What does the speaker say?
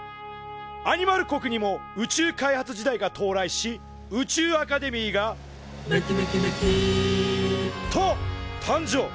アニマル国にも宇宙開発時代が到来し宇宙アカデミーが「めきめきめきっ」と誕生。